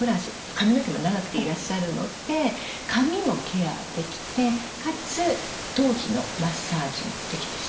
髪の毛も長くていらっしゃるので髪もケアできてかつ頭皮のマッサージもできてしまうというものです。